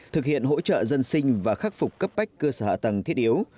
thực hiện hỗ trợ dân sinh và khắc phục cấp bách cơ sở hạ tầng thiết yếu